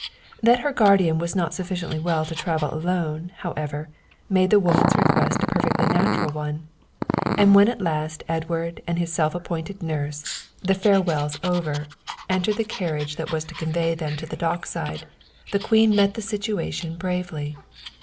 That her guardian was not sufficiently well to travel alone, however, made the woman's request a perfectly natural one, and when at last Edward and his self appointed nurse, the farewells over, entered the carriage that was to convey them to the dock side, the Queen met the situation bravely.